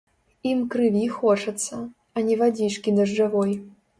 Ім крыві хочацца, а не вадзічкі дажджавой.